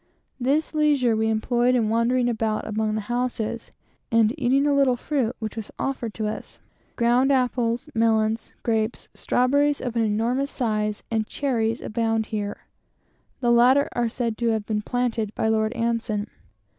This leisure we employed in wandering about among the houses, and eating a little fruit which was offered to us. Ground apples, melons, grapes, strawberries of an enormous size, and cherries, abounded here. The latter are said to have been planted by Lord Anson.